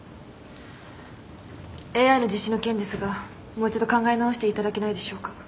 Ａｉの実施の件ですがもう一度考え直していただけないでしょうか。